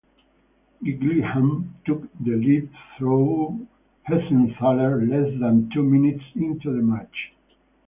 Gillingham took the lead through Hessenthaler less than two minutes into the match.